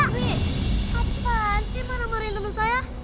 nggak kapan sih mana mariin temen saya